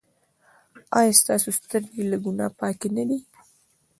ایا ستاسو سترګې له ګناه پاکې نه دي؟